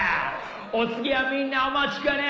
お次はみんなお待ちかね。